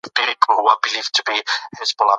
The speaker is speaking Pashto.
هندوکش د افغانستان د صنعت لپاره مواد برابروي.